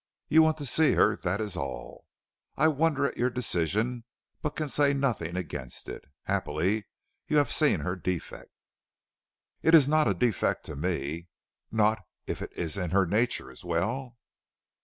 "You want to see her, that is all. I wonder at your decision, but can say nothing against it. Happily, you have seen her defect." "It is not a defect to me." "Not if it is in her nature as well?"